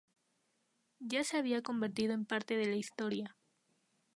Ya se había convertido en parte de la historia.